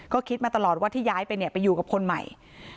ก็คิดมาตลอดว่าที่ย้ายไปเนี่ยไปอยู่กับคนใหม่